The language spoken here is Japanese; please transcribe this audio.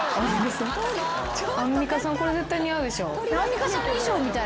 アンミカさんこれ絶対似合うでしょ。